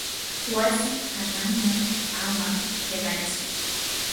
wasi hananman ama hiqaytsu.